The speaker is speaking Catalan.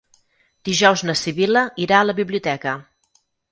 Dijous na Sibil·la irà a la biblioteca.